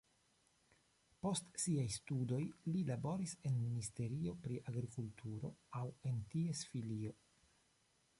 Post siaj studoj li laboris en ministerio pri agrikulturo aŭ en ties filio.